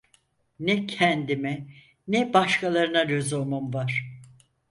Ne kendime, ne başkalarına lüzumum var…